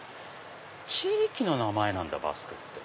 地域の名前なんだバスクって。